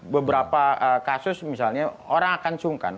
beberapa kasus misalnya orang akan sungkan